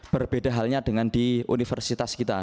berbeda halnya dengan di universitas kita